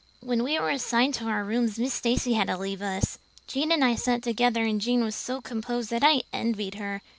"When we were assigned to our rooms Miss Stacy had to leave us. Jane and I sat together and Jane was so composed that I envied her.